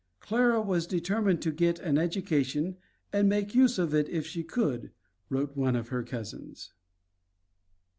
"Clara was determined to get an education and make use of it if she could," wrote one of her cousins.